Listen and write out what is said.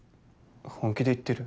本気で言ってる？